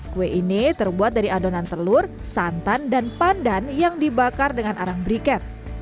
kue ini terbuat dari adonan telur santan dan pandan yang dibakar dengan arang briket